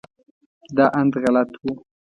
دا اند غلط و.